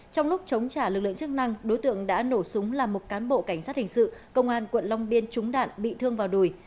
trong lúc chống trả lực lượng chức năng đối tượng đã nổ súng làm một cán bộ cảnh sát hình sự công an quận long biên trúng đạn bị thương vào đùi